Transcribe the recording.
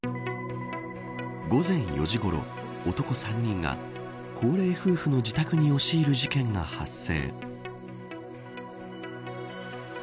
午前４時ごろ男３人が高齢夫婦の自宅に押し入る事件が発生。